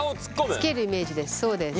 つけるイメージですそうです。